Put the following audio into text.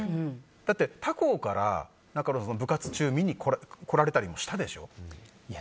だって、他校から部活中、見に来られたりしたでしょ？